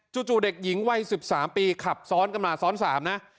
จู่เด็กหญิงวัย๑๓ปีขับซ้อนกันมาซ้อน๓นะ